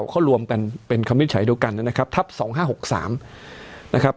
เขารวมเป็นคำวินิจฉัยเดียวกันนะครับ